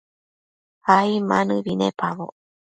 ai ma nëbi icpaboc